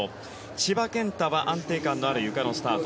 千葉健太は安定感のあるゆかのスタート。